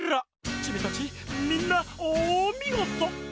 チミたちみんなおみごと！